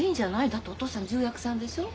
だってお父さん重役さんでしょ？